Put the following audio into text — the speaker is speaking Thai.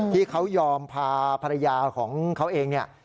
ที่เขายอมพาภรรยาของเขาเองเนี่ย